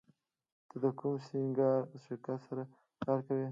ته د کوم سینګار شرکت سره کار کوې